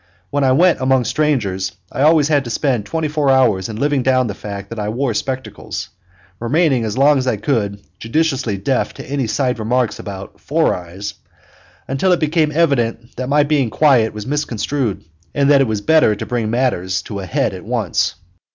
When I went among strangers I always had to spend twenty four hours in living down the fact that I wore spectacles, remaining as long as I could judiciously deaf to any side remarks about "four eyes," unless it became evident that my being quiet was misconstrued and that it was better to bring matters to a head at once.